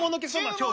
今日。